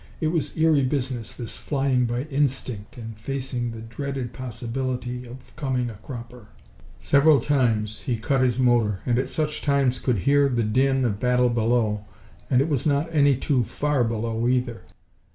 It was eerie business, this flying by instinct and facing the dreaded possibility of coming a cropper. Several times he cut his motor, and at such times could hear the din of battle below and it was not any too far below, either.